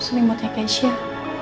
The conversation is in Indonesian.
selimutnya ke aisyah